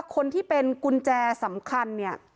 คนที่เป็นกุญแจสำคัญ